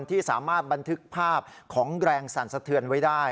ที่สามารถบันทึกภาพของแรงสั่นสะเทือนไว้ได้